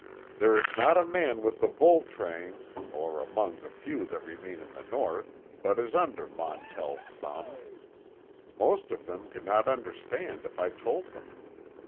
There is not a man with the bull train, or among the few that remain in the North, but is under Montell's thumb. Most of them could not understand if I told them.